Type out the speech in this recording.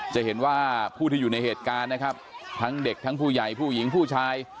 จะเห็นว่าผู้ที่อยู่ในเหตุการณ์นะครับทั้งเด็กทั้งผู้ใหญ่ผู้หญิงผู้ชาย